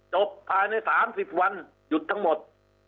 จบภายในสามสิบวันหยุดทั้งหมด